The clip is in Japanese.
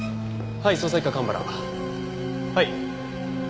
はい。